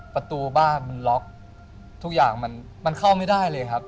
ประตูบ้านมันล็อกทุกอย่างมันเข้าไม่ได้เลยครับ